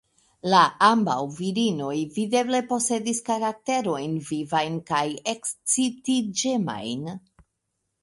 La ambaŭ virinoj videble posedis karakterojn vivajn kaj ekscitiĝemajn.